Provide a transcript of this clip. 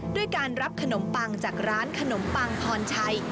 ด้วยการรับขนมปังจากร้านขนมปังพรชัย